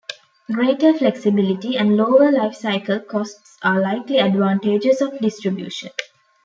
Greater flexibility and lower life cycle costs are likely advantages of distribution.